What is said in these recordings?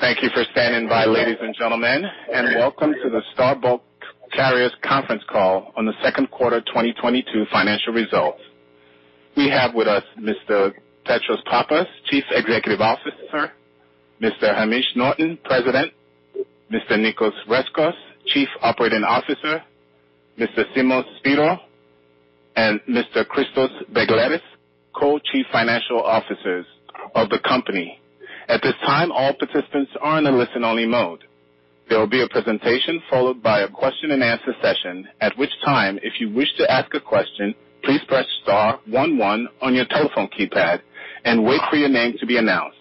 Thank you for standing by, ladies and gentlemen, and welcome to the Star Bulk Carriers conference call on the second quarter 2022 financial results. We have with us Mr. Petros Pappas, Chief Executive Officer, Mr. Hamish Norton, President, Mr. Nicos Rescos, Chief Operating Officer, Mr. Simos Spyrou, and Mr. Christos Begleris, Co-Chief Financial Officers of the company. At this time, all participants are in a listen-only mode. There will be a presentation followed by a question-and-answer session at which time, if you wish to ask a question, please press star one one on your telephone keypad and wait for your name to be announced.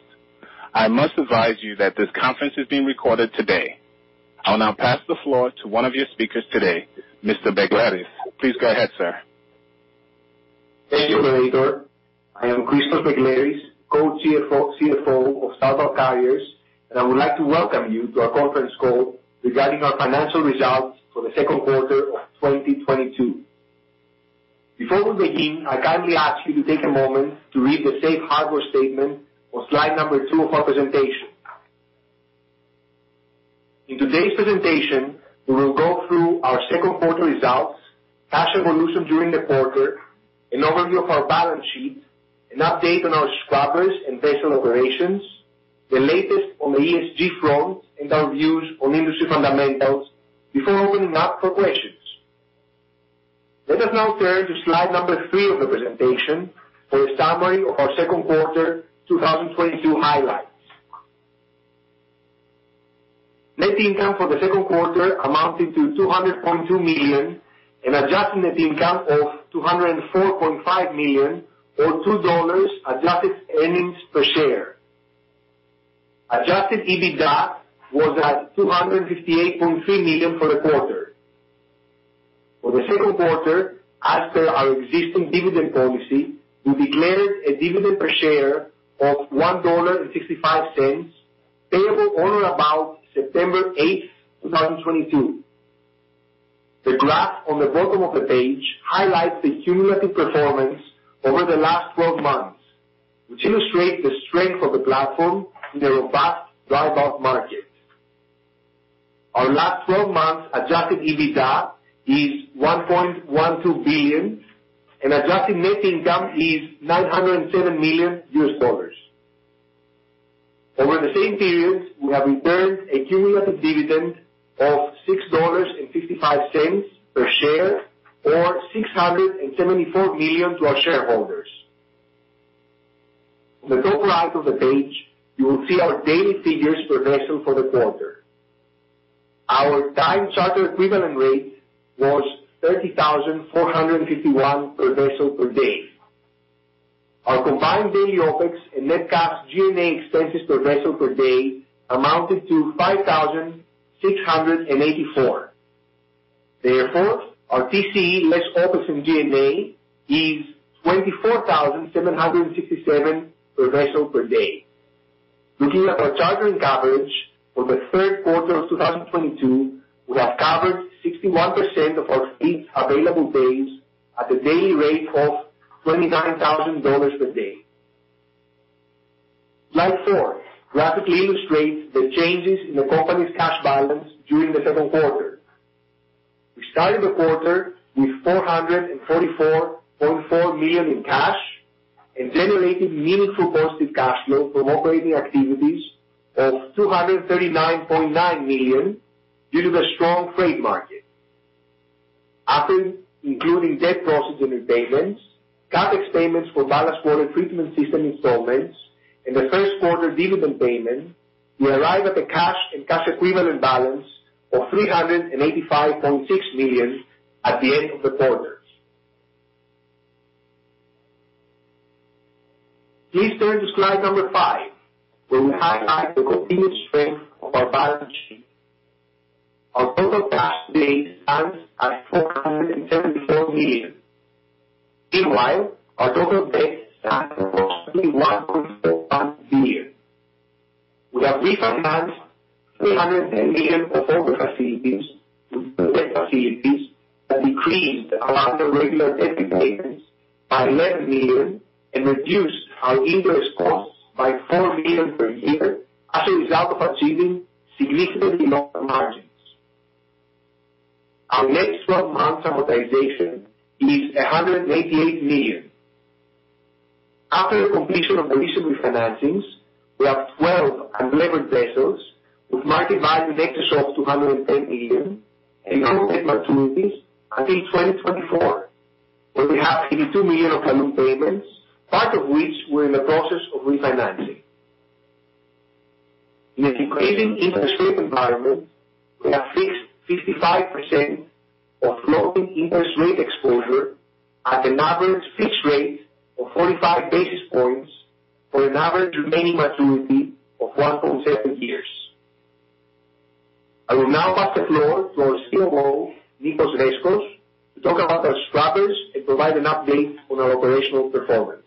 I must advise you that this conference is being recorded today. I'll now pass the floor to one of your speakers today, Mr. Begleris. Please go ahead, sir. Thank you, operator. I am Christos Begleris, co-CFO, CFO of Star Bulk Carriers, and I would like to welcome you to our conference call regarding our financial results for the second quarter of 2022. Before we begin, I kindly ask you to take a moment to read the safe harbor statement on slide number two of our presentation. In today's presentation, we will go through our second quarter results, cash evolution during the quarter, an overview of our balance sheet, an update on our scrubbers and vessel operations, the latest on the ESG front, and our views on industry fundamentals before opening up for questions. Let us now turn to slide number three of the presentation for a summary of our second quarter 2022 highlights. Net income for the second quarter amounted to $200.2 million and adjusted net income of $204.5 million or $2 adjusted earnings per share. Adjusted EBITDA was at $258.3 million for the quarter. For the second quarter, as per our existing dividend policy, we declared a dividend per share of $1.65, payable on or about September 8, 2022. The graph on the bottom of the page highlights the cumulative performance over the last 12 months, which illustrates the strength of the platform in a robust dry bulk market. Our last 12 months adjusted EBITDA is $1.12 billion and adjusted net income is $907 million. Over the same period, we have returned a cumulative dividend of $6.55 per share or $674 million to our shareholders. On the top right of the page, you will see our daily figures per vessel for the quarter. Our time charter equivalent rate was 30,451 per vessel per day. Our combined daily OpEx and net cash G&A expenses per vessel per day amounted to $5,684. Therefore, our TCE less OpEx and G&A is 24,767 per vessel per day. Looking at our chartering coverage for the third quarter of 2022, we have covered 61% of our fleet's available days at the daily rate of $29,000 per day. Slide four graphically illustrates the changes in the company's cash balance during the second quarter. We started the quarter with $444.4 million in cash and generated meaningful positive cash flow from operating activities of $239.9 million due to the strong freight market. After including debt proceeds and repayments, CapEx payments for ballast water treatment system installments, and the first quarter dividend payment, we arrive at a cash and cash equivalent balance of $385.6 million at the end of the quarter. Please turn to slide five, where we highlight the continued strength of our balance sheet. Our total cash today stands at $474 million. Meanwhile, our total debt stands at approximately $1.4 million. We have refinanced $300 million of older facilities, debt facilities that decreased our annual debt repayments by $11 million and reduced our interest costs by $4 million per year as a result of achieving significantly lower margins. Our next 12 months' amortization is $188 million. After the completion of the recent refinancings, we have 12 unlevered vessels with market value in excess of $210 million and no debt maturities until 2024, where we have $32 million of balloon payments, part of which we're in the process of refinancing. In a decreasing interest rate environment, we have fixed 55% of floating interest rate exposure at an average fixed rate of 45 basis points for an average remaining maturity of 1.7 years. I will now pass the floor to our CFO, Nicos Rescos, to talk about our scrubbers and provide an update on our operational performance.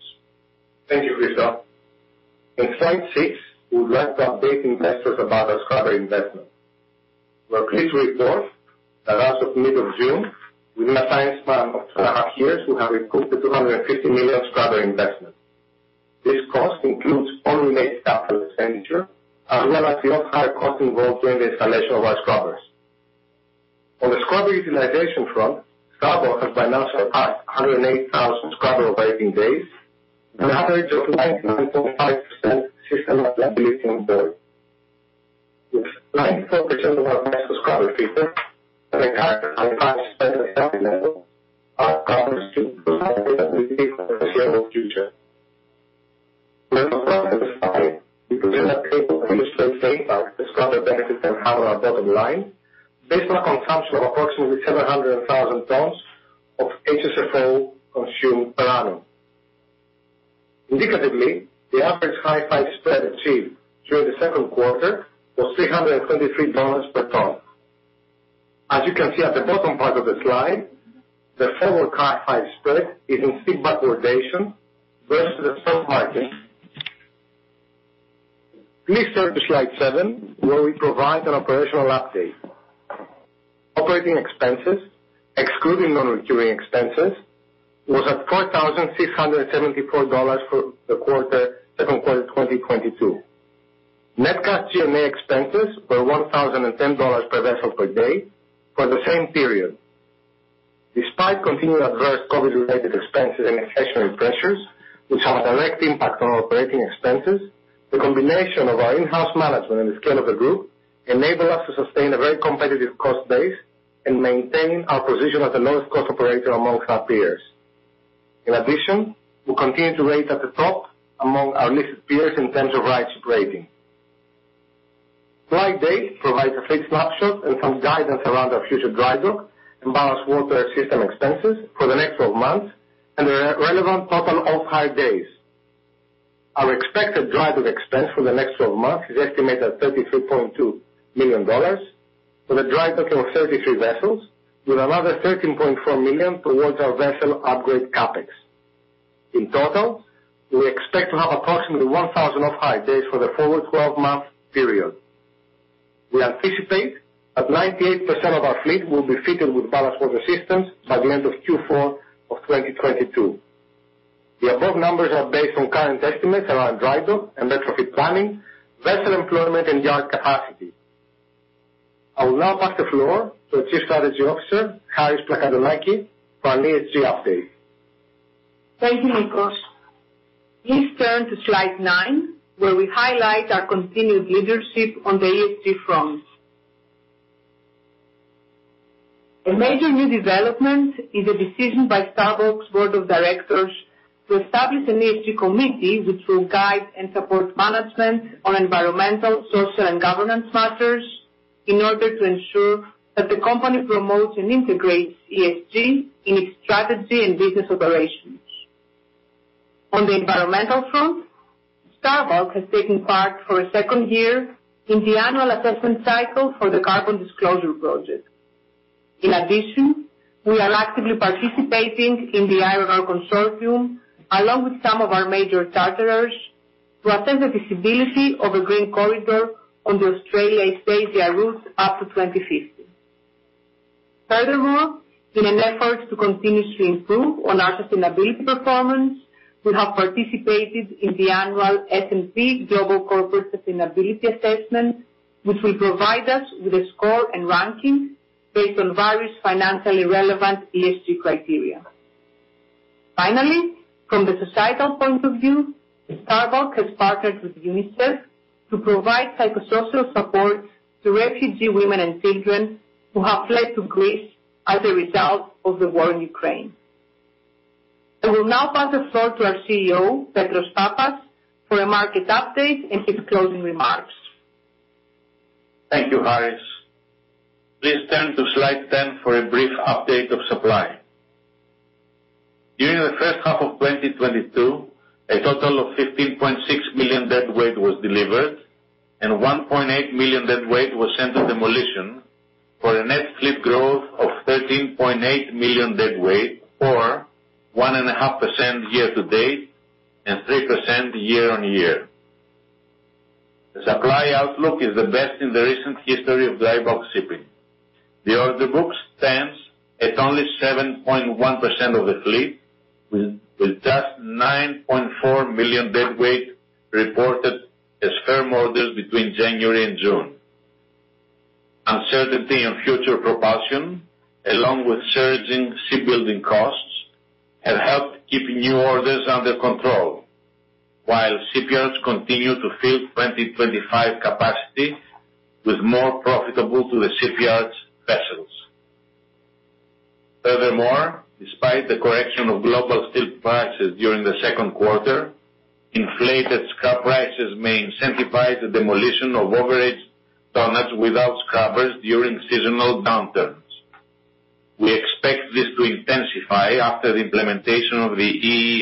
Thank you, Christos. On slide six, we would like to update investors about our scrubber investment. We are pleased to report that as of mid of June, within a time span of two and a half years, we have recovered $250 million scrubber investment. This cost includes only capital expenditure as well as the higher cost involved during the installation of our scrubbers. On the scrubber utilization front, Star Bulk has by now surpassed 108,000 scrubber operating days with an average of 99.5% system availability on board. With 94% of our vessels scrubber fitted and a higher and higher spread acceptable, our confidence to provide better visibility for the foreseeable future. When it comes to the slide, we were able to illustrate the impact the scrubber benefits can have on our bottom line based on consumption of approximately 700,000 tons of HSFO consumed per annum. Indicatively, the average Hi-5 spread achieved during the second quarter was $323 per ton. As you can see at the bottom part of the slide, the forward Hi-5 spread is in steep backwardation versus the spot market. Please turn to slide seven, where we provide an operational update. Operating expenses, excluding non-recurring expenses, was at $4,674 for the quarter, second quarter of 2022. Net cash G&A expenses were $1,010 per vessel per day for the same period. Despite continued adverse COVID-related expenses and inflationary pressures, which have a direct impact on our operating expenses, the combination of our in-house management and the scale of the group enable us to sustain a very competitive cost base and maintain our position as the lowest cost operator among our peers. In addition, we continue to rate at the top among our listed peers in terms of ESG rating. Slide eight provides a fixed snapshot and some guidance around our future dry dock and ballast water system expenses for the next 12 months and the relevant total off-hire days. Our expected dry dock expense for the next 12 months is estimated at $33.2 million for the dry docking of 33 vessels with another $13.4 million towards our vessel upgrade CapEx. In total, we expect to have approximately 1,000 off-hire days for the forward 12 month period. We anticipate that 98% of our fleet will be fitted with ballast water systems by the end of Q4 of 2022. The above numbers are based on current estimates around dry dock and retrofit planning, vessel employment, and yard capacity. I will now pass the floor to our Chief Strategy Officer, Charis Plakantonaki, for an ESG update. Thank you, Nicos. Please turn to slide nine, where we highlight our continued leadership on the ESG front. A major new development is a decision by Star Bulk's board of directors to establish an ESG committee which will guide and support management on environmental, social, and governance matters in order to ensure that the company promotes and integrates ESG in its strategy and business operations. On the environmental front, Star Bulk has taken part for a second year in the annual assessment cycle for the Carbon Disclosure Project. In addition, we are actively participating in the IRR Consortium, along with some of our major charterers, to assess the feasibility of a green corridor on the Australia-Asia route up to 2050. Furthermore, in an effort to continue to improve on our sustainability performance, we have participated in the annual S&P Global Corporate Sustainability Assessment, which will provide us with a score and ranking based on various financially relevant ESG criteria. Finally, from the societal point of view, Star Bulk has partnered with UNICEF to provide psychosocial support to refugee women and children who have fled to Greece as a result of the war in Ukraine. I will now pass the floor to our CEO, Petros Pappas, for a market update and his closing remarks. Thank you, Charis. Please turn to slide 10 for a brief update of supply. During the first half of 2022, a total of 15.6 million deadweight was delivered, and 1.8 million deadweight was sent to demolition for a net fleet growth of 13.8 million deadweight or 1.5% year-to-date and 3% year-on-year. The supply outlook is the best in the recent history of dry bulk shipping. The order book stands at only 7.1% of the fleet, with just 9.4 million deadweight reported as firm orders between January and June. Uncertainty in future propulsion, along with surging shipbuilding costs, have helped keep new orders under control while shipyards continue to fill 2025 capacity with more profitable to the shipyards vessels. Furthermore, despite the correction of global steel prices during the second quarter, inflated scrap prices may incentivize the demolition of overage tonnage without scrubbers during seasonal downturns. We expect this to intensify after the implementation of the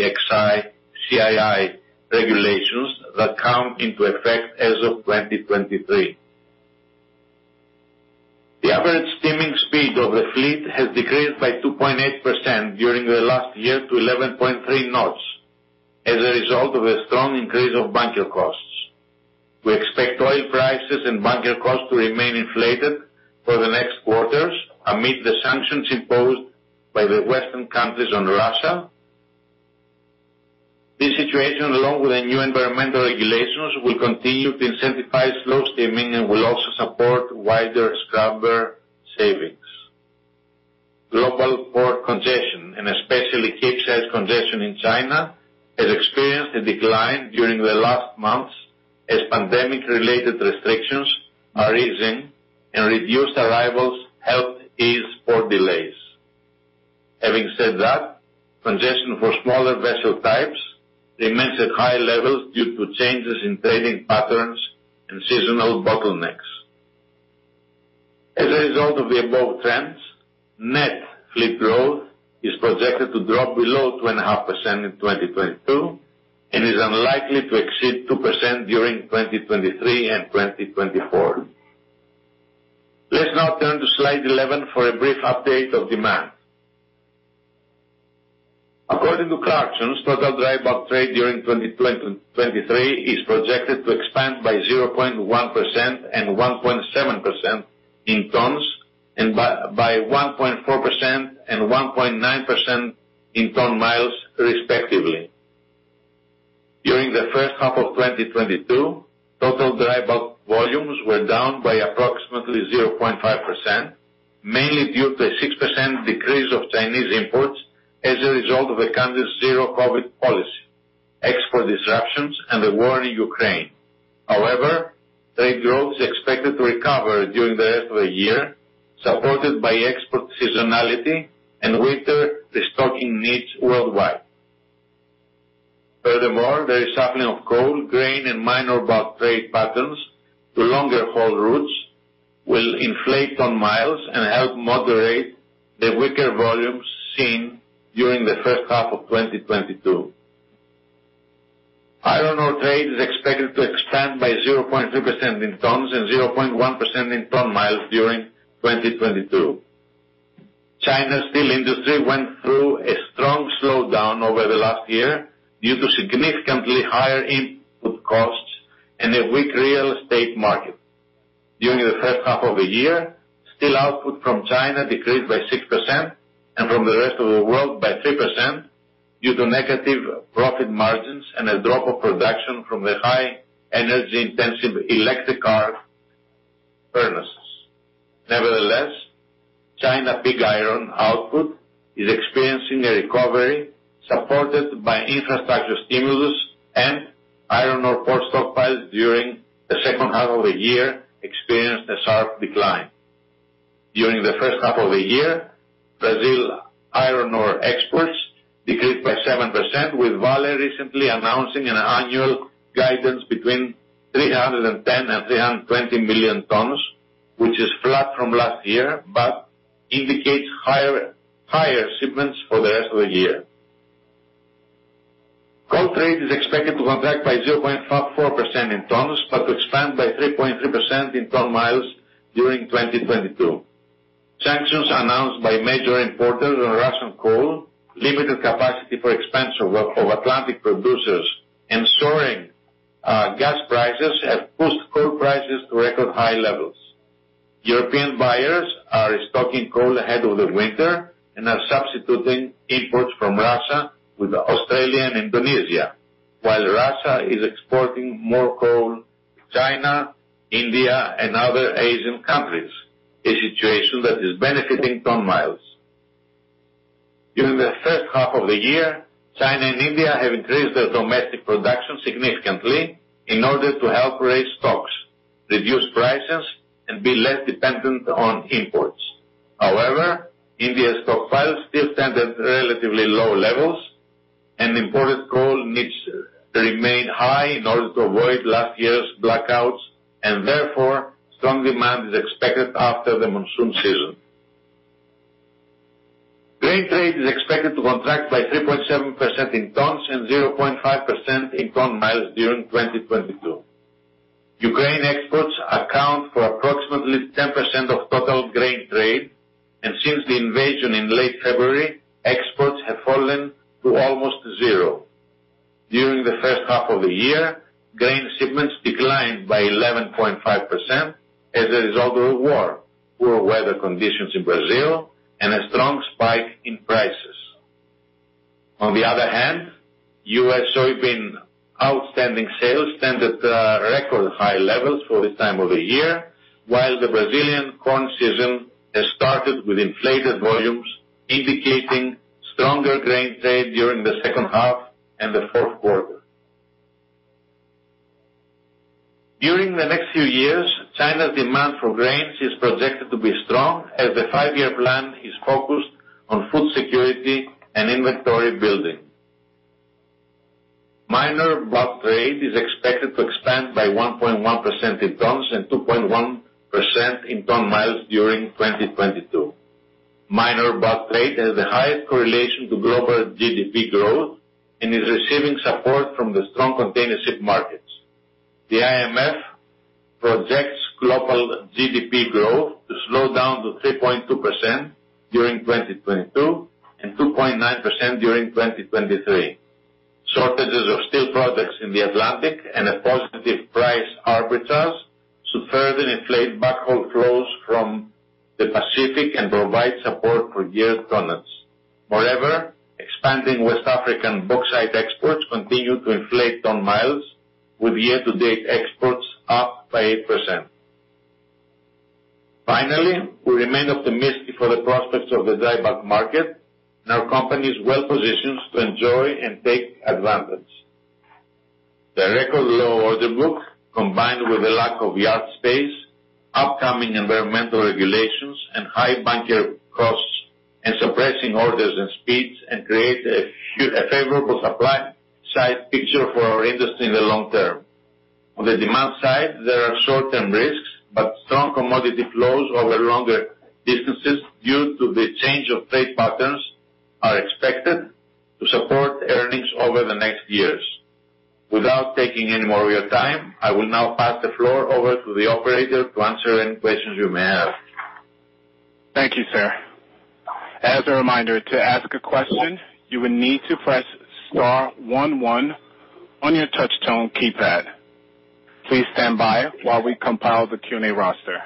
EEXI, CII regulations that come into effect as of 2023. The average steaming speed of the fleet has decreased by 2.8% during the last year to 11.3 knots, as a result of a strong increase of bunker costs. We expect oil prices and bunker costs to remain inflated for the next quarters amid the sanctions imposed by the Western countries on Russia. This situation, along with the new environmental regulations, will continue to incentivize slow steaming and will also support wider scrubber savings. Global port congestion, and especially deep-sea congestion in China, has experienced a decline during the last months as pandemic-related restrictions are easing and reduced arrivals helped ease port delays. Having said that, congestion for smaller vessel types remains at high levels due to changes in trading patterns and seasonal bottlenecks. As a result of the above trends, net fleet growth is projected to drop below 2.5% in 2022 and is unlikely to exceed 2% during 2023 and 2024. Let's now turn to slide 11 for a brief update of demand. According to Clarksons, total dry bulk trade during 2023 is projected to expand by 0.1% and 1.7% in tons, and by 1.4% and 1.9% in ton-miles respectively. During the first half of 2022, total dry bulk volumes were down by approximately 0.5%, mainly due to a 6% decrease of Chinese imports as a result of the country's zero-COVID policy, export disruptions, and the war in Ukraine. However, trade growth is expected to recover during the rest of the year, supported by export seasonality and winter restocking needs worldwide. Furthermore, the reshuffling of coal, grain, and minor bulk trade patterns to longer haul routes will inflate ton-miles and help moderate the weaker volumes seen during the first half of 2022. Iron ore trade is expected to expand by 0.3% in tons and 0.1% in ton-miles during 2022. China's steel industry went through a strong slowdown over the last year due to significantly higher input costs and a weak real estate market. During the first half of the year, steel output from China decreased by 6%, and from the rest of the world by 3% due to negative profit margins and a drop of production from the high energy-intensive electric arc furnaces. Nevertheless, China pig iron output is experiencing a recovery supported by infrastructure stimulus, and iron ore port stockpiles during the second half of the year experienced a sharp decline. During the first half of the year, Brazil iron ore exports decreased by 7% with Vale recently announcing an annual guidance between 310 and 320 million tons, which is flat from last year, but indicates higher shipments for the rest of the year. Coal trade is expected to contract by 0.44% in tons, but to expand by 3.3% in ton-miles during 2022. Sanctions announced by major importers on Russian coal, limited capacity for expansion of Atlantic producers and soaring gas prices have pushed coal prices to record high levels. European buyers are restocking coal ahead of the winter and are substituting imports from Russia with Australia and Indonesia, while Russia is exporting more coal to China, India, and other Asian countries, a situation that is benefiting ton-miles. During the first half of the year, China and India have increased their domestic production significantly in order to help raise stocks, reduce prices, and be less dependent on imports. However, India's stockpiles still stand at relatively low levels, and imported coal needs to remain high in order to avoid last year's blackouts, and therefore, strong demand is expected after the monsoon season. Grain trade is expected to contract by 3.7% in tons and 0.5% in ton-miles during 2022. Ukraine exports account for approximately 10% of total grain trade, and since the invasion in late February, exports have fallen to almost zero. During the first half of the year, grain shipments declined by 11.5% as a result of the war, poor weather conditions in Brazil, and a strong spike in prices. On the other hand, U.S. soybean outstanding sales stand at record high levels for this time of the year, while the Brazilian corn season has started with inflated volumes, indicating stronger grain trade during the second half and the fourth quarter. During the next few years, China's demand for grains is projected to be strong as the five-year plan is focused on food security and inventory building. Minor bulk trade is expected to expand by 1.1% in tons and 2.1% in ton-miles during 2022. Minor bulk trade has the highest correlation to global GDP growth and is receiving support from the strong container ship markets. The IMF projects global GDP growth to 3.2% during 2022 and 2.9% during 2023. Shortages of steel products in the Atlantic and a positive price arbitrage should further inflate backhaul flows from the Pacific and provide support for year tonnages. Moreover, expanding West African bauxite exports continue to inflate ton-miles with year-to-date exports up by 8%. Finally, we remain optimistic for the prospects of the dry bulk market and our company is well-positioned to enjoy and take advantage. The record low order book, combined with the lack of yard space, upcoming environmental regulations and high bunker costs and suppressing orders and speeds and create a favorable supply side picture for our industry in the long term. On the demand side, there are short-term risks, but strong commodity flows over longer distances due to the change of trade patterns are expected to support earnings over the next years. Without taking any more of your time, I will now pass the floor over to the operator to answer any questions you may have. Thank you, sir. As a reminder, to ask a question, you will need to press star one one on your touch tone keypad. Please stand by while we compile the Q&A roster.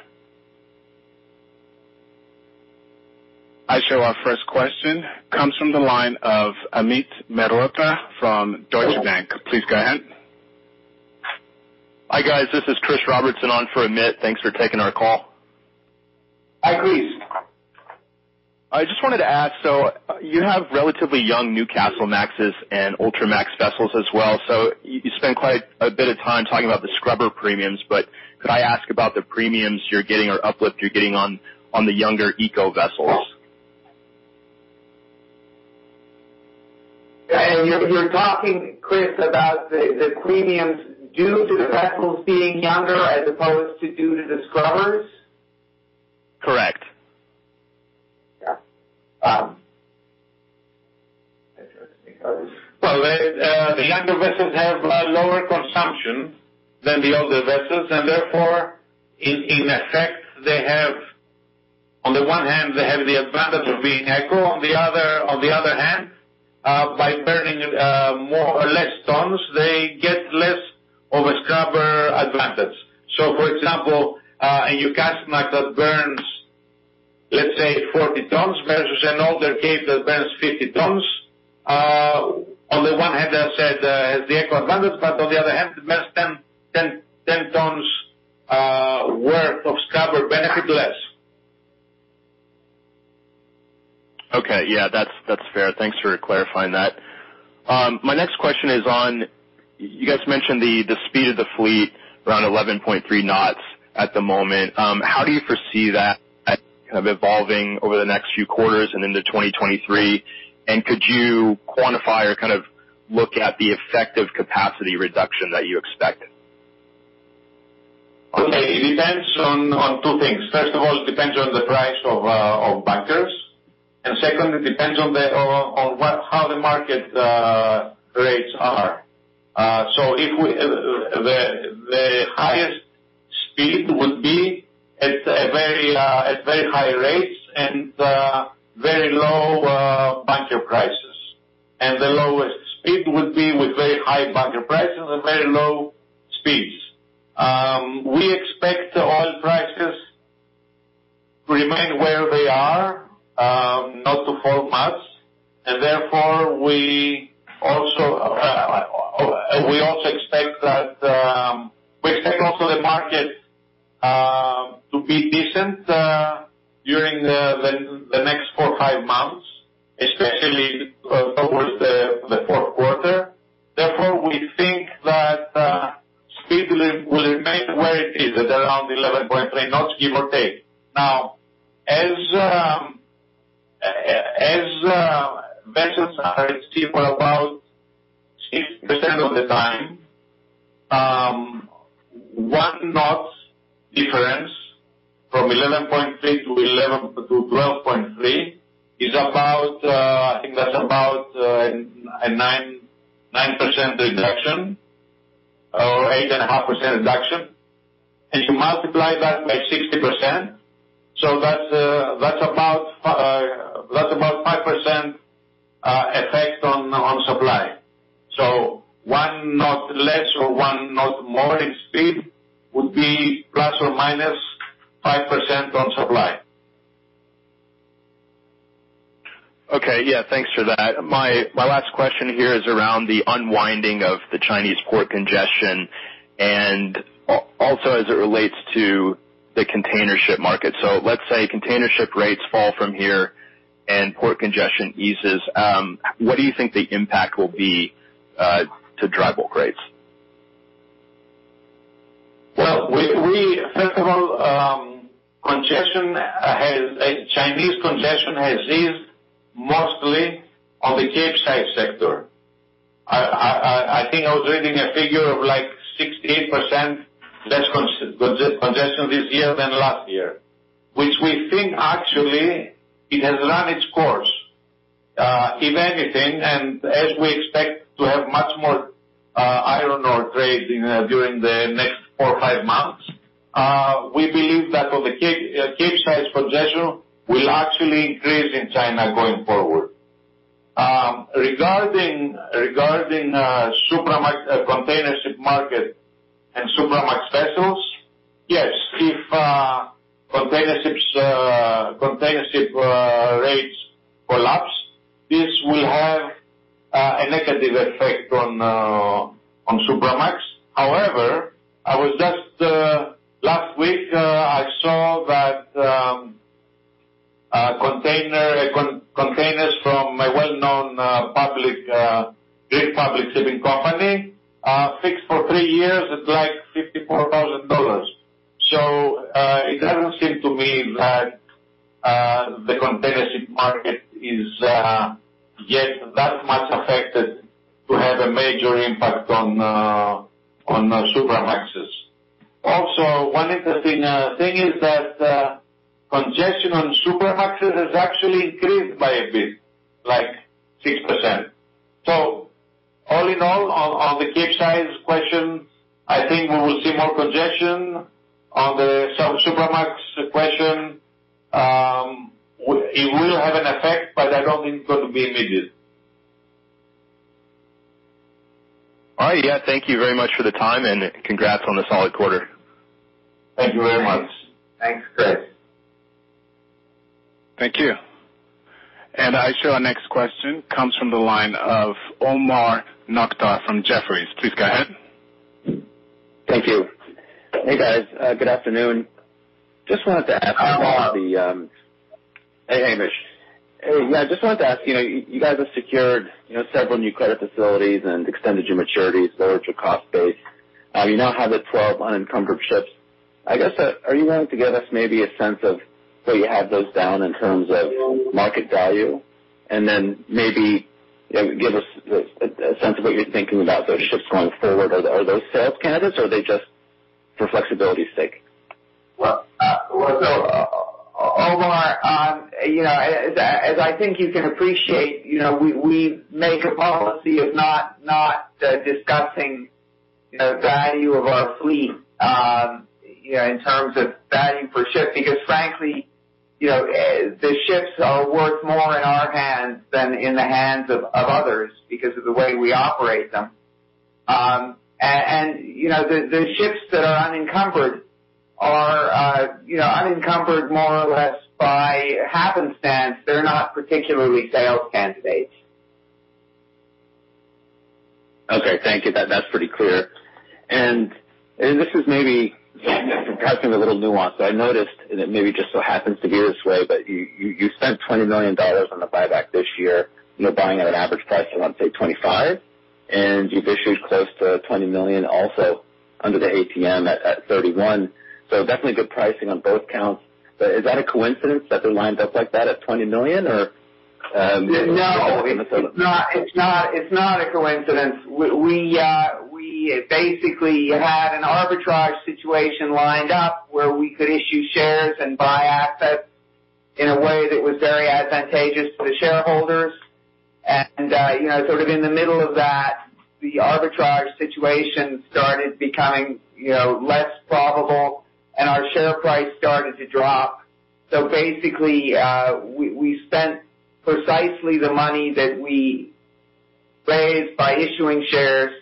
I show our first question comes from the line of Amit Mehrotra from Deutsche Bank. Please go ahead. Hi, guys. This is Chris Robertson on for Amit. Thanks for taking our call. Hi, Chris. I just wanted to ask, so you have relatively young Newcastlemaxes and Ultramax vessels as well. You spend quite a bit of time talking about the scrubber premiums, but could I ask about the premiums you're getting or uplift you're getting on the younger eco vessels? You're talking, Chris, about the premiums due to the vessels being younger as opposed to due to the scrubbers? Correct. Yeah. Interesting. Well, the younger vessels have lower consumption than the older vessels, and therefore in effect, they have. On the one hand, they have the advantage of being eco. On the other hand, by burning more or less tons, they get less of a scrubber advantage. For example, a Newcastlemax that burns, let's say 40 tons versus an older Capesize that burns 50 tons, on the one hand has the eco advantage, but on the other hand it burns 10 tons worth of scrubber benefit less. Okay. Yeah, that's fair. Thanks for clarifying that. My next question is on you guys mentioned the speed of the fleet around 11.3 knots at the moment. How do you foresee that kind of evolving over the next few quarters and into 2023? Could you quantify or kind of look at the effective capacity reduction that you expect? Okay. It depends on two things. First of all, it depends on the price of bunkers, and second, it depends on how the market rates are. The highest speed would be at very high rates and very low bunker prices. The lowest speed would be with very high bunker prices and very low rates. We expect oil prices to remain where they are, not to fall much. Therefore, we also expect the market to be decent during the next four or five months, especially towards the fourth quarter. Therefore, we think that speed will remain where it is at around 11.3 knots give or take. Vessels are at sea for about 60% of the time. One knot difference from 11.3 to 12.3 is about, I think, a 9% reduction or 8.5% reduction. If you multiply that by 60%, that's about 5% effect on supply. One knot less or one knot more in speed would be ±5% on supply. Okay. Yeah, thanks for that. My last question here is around the unwinding of the Chinese port congestion and also as it relates to the container ship market. Let's say container ship rates fall from here and port congestion eases, what do you think the impact will be, to dry bulk rates? First of all, congestion has, Chinese congestion has eased mostly on the Capesize sector. I think I was reading a figure of like 68% less congestion this year than last year, which we think actually it has run its course. If anything, as we expect to have much more trade in during the next four or five months. We believe that for the Capesize congestion will actually increase in China going forward. Regarding Supramax, container ship market and Supramax vessels, yes, if container ship rates collapse, this will have a negative effect on Supramax. However, I was just last week I saw that containers from a well-known public big public shipping company fixed for three years at like $54,000. It doesn't seem to me that the container ship market is yet that much affected to have a major impact on Supramaxes. Also, one interesting thing is that congestion on Supramaxes has actually increased by a bit, like 6%. All in all, on the Capesize question, I think we will see more congestion. On the Supramax question, it will have an effect, but I don't think it's gonna be immediate. All right. Yeah. Thank you very much for the time, and congrats on the solid quarter. Thank you very much. Thanks. Thanks, Chris. Thank you. I show our next question comes from the line of Omar Nokta from Jefferies. Please go ahead. Thank you. Hey, guys. Good afternoon. Just wanted to ask about the, Hi, Omar. Hey, Hamish. Hey. Yeah. Just wanted to ask, you know, you guys have secured, you know, several new credit facilities and extended your maturities, lowered your cost base. You now have the 12 unencumbered ships. I guess, are you willing to give us maybe a sense of where you have those down in terms of market value? Maybe, you know, give us a sense of what you're thinking about those ships going forward. Are those sales candidates, or are they just for flexibility's sake? Well, Omar, you know, as I think you can appreciate, you know, we make a policy of not discussing, you know, value of our fleet, you know, in terms of value per ship because frankly, you know, the ships are worth more in our hands than in the hands of others because of the way we operate them. You know, the ships that are unencumbered are unencumbered more or less by happenstance. They're not particularly sales candidates. Okay. Thank you. That's pretty clear. This is maybe perhaps in a little nuance, but I noticed, and it maybe just so happens to be this way, but you spent $20 million on the buyback this year, you know, buying at an average price of, let's say, 25. You've issued close to $20 million also under the ATM at 31. Definitely good pricing on both counts. Is that a coincidence that they're lined up like that at $20 million or No, it's not a coincidence. We basically had an arbitrage situation lined up where we could issue shares and buy assets in a way that was very advantageous to the shareholders. You know, sort of in the middle of that, the arbitrage situation started becoming, you know, less probable, and our share price started to drop. Basically, we spent precisely the money that we raised by issuing shares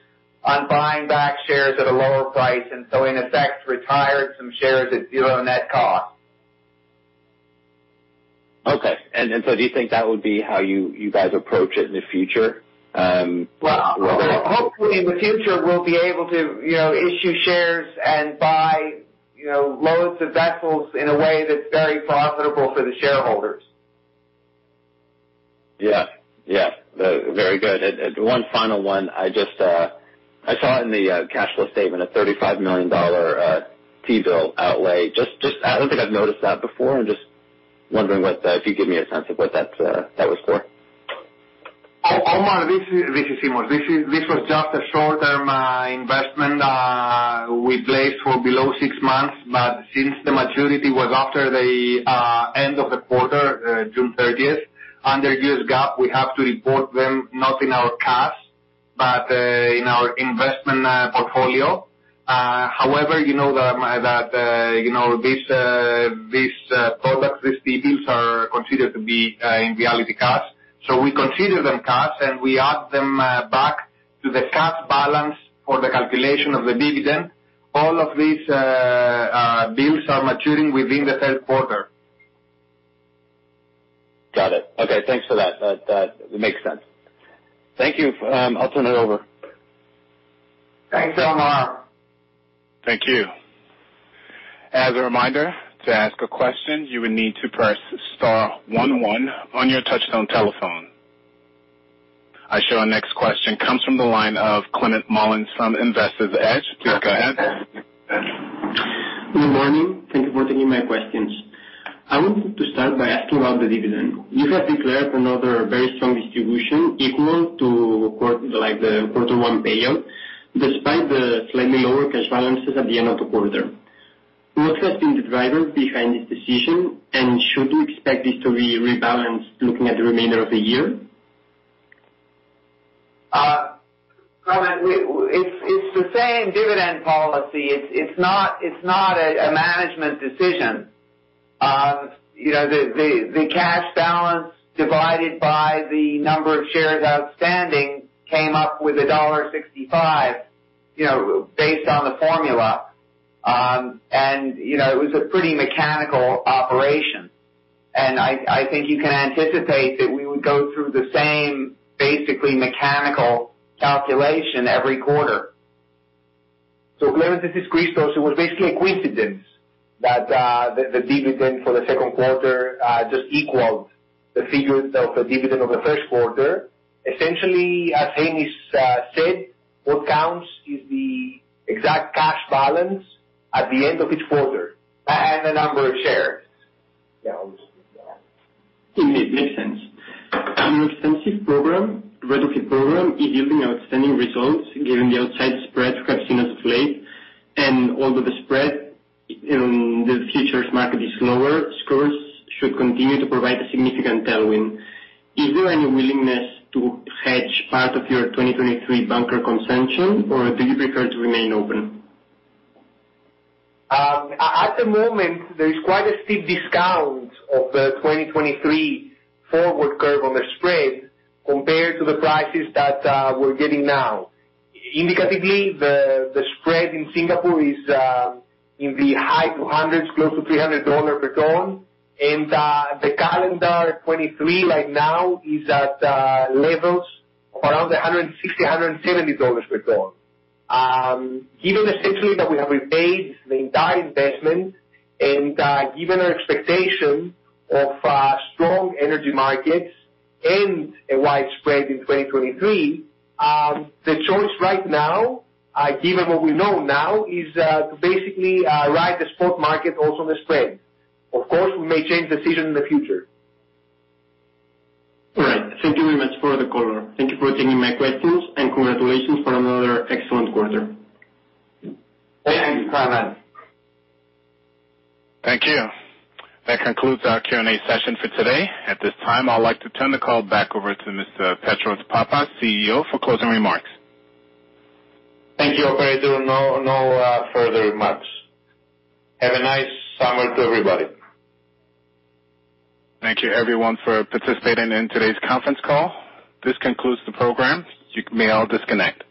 on buying back shares at a lower price and so in effect retired some shares at zero net cost. Do you think that would be how you guys approach it in the future? Well, hopefully in the future, we'll be able to, you know, issue shares and buy, you know, loads of vessels in a way that's very profitable for the shareholders. Yeah. Yeah. Very good. One final one. I just I saw in the cash flow statement a $35 million T-bill outlay. Just I don't think I've noticed that before. I'm just wondering what if you could give me a sense of what that was for. Omar, this is Simos. This was just a short-term investment we placed for below six months, but since the maturity was after the end of the quarter, June 30th, under U.S. GAAP, we have to report them not in our cash but in our investment portfolio. However, you know that, you know, this product, these T-bills are considered to be in reality cash. So we consider them cash, and we add them back to the cash balance for the calculation of the dividend. All of these bills are maturing within the third quarter. Got it. Okay, thanks for that. That makes sense. Thank you. I'll turn it over. Thanks, Omar. Thank you. As a reminder, to ask a question, you will need to press star one one on your touchtone telephone. Our next question comes from the line of Clement Mullins from Value Investor's Edge. Please go ahead. Good morning. Thank you for taking my questions. I wanted to start by asking about the dividend. You have declared another very strong distribution equal to like the quarter one payout, despite the slightly lower cash balances at the end of the quarter. What has been the driver behind this decision, and should we expect this to be rebalanced looking at the remainder of the year? It's the same dividend policy. It's not a management decision. You know, the cash balance divided by the number of shares outstanding came up with $1.65, you know, based on the formula. You know, it was a pretty mechanical operation. I think you can anticipate that we would go through the same, basically mechanical calculation every quarter. Let us discuss those. It was basically a coincidence that the dividend for the second quarter just equaled the figures of the dividend of the first quarter. Essentially, as Hamish Norton said, what counts is the exact cash balance at the end of each quarter. The number of shares. Yeah. Indeed. Makes sense. Your incentive program, retrofit program is giving outstanding results given the outsize spread we have seen as of late. Although the spread in the futures market is lower, scrubbers should continue to provide a significant tailwind. Is there any willingness to hedge part of your 2023 bunker consumption, or do you prefer to remain open? At the moment, there is quite a steep discount of the 2023 forward curve on the spread compared to the prices that we're getting now. Indicatively, the spread in Singapore is in the high 200s, close to $300 per ton. The calendar 2023 right now is at levels around $160-$170 per ton. Given essentially that we have repaid the entire investment and given our expectation of strong energy markets and a wide spread in 2023, the choice right now, given what we know now, is to basically ride the spot market also on the spread. Of course, we may change decision in the future. All right. Thank you very much for the color. Thank you for taking my questions, and congratulations for another excellent quarter. Hey, thank you so much. Thank you. That concludes our Q&A session for today. At this time, I'd like to turn the call back over to Mr. Petros Pappas, CEO, for closing remarks. Thank you, operator. No, no, further remarks. Have a nice summer to everybody. Thank you everyone for participating in today's conference call. This concludes the program. You may all disconnect.